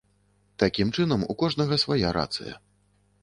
Такім чынам, у кожнага свая рацыя.